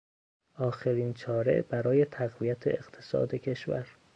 آخرین چاره برای تقویت اقتصاد کشور